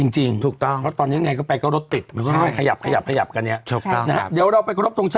จริงครับจริง